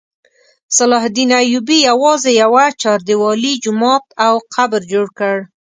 صلاح الدین ایوبي یوازې یوه چاردیوالي، جومات او قبر جوړ کړ.